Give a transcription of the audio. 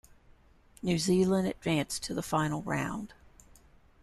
New Zealand advanced to the final round.